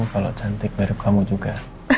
kalau cantik mirip kamu juga